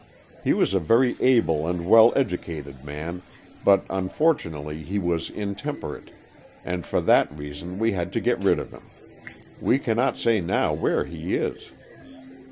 He was a very able and well educated man, but unfortunately he was intemperate, and for that reason we had to get rid of him. We cannot say now where he is."